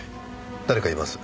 誰かいます。